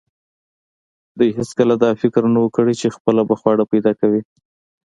دوی هیڅکله دا فکر نه و کړی چې خپله به خواړه پیدا کوي.